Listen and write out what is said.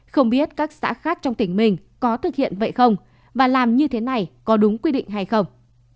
không biết các xã khác trong tỉnh mình có thực hiện vậy không và làm như thế này có đúng quy định hay không